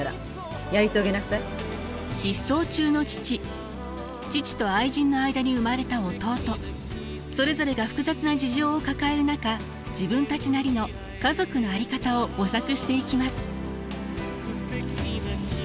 失踪中の父父と愛人の間に生まれた弟それぞれが複雑な事情を抱える中自分たちなりの家族の在り方を模索していきます。